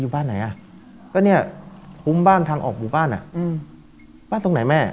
บินบนหลังคาบ้านแก